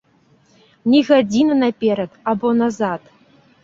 Ні гадзіны наперад або назад.